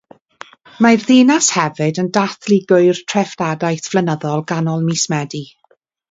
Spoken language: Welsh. Mae'r ddinas hefyd yn dathlu Gŵyl Treftadaeth flynyddol ganol mis Medi.